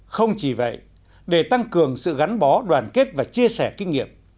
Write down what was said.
không chỉ vậy để tăng cường sự gắn bó đoàn kết và chia sẻ kinh nghiệm